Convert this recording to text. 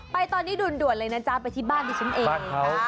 ไปตอนนี้ด่วนเลยนะจ๊ะไปที่บ้านดิฉันเองนะ